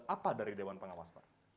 apa dari dewan pengawas